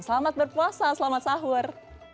selamat berpuasa selamat sahur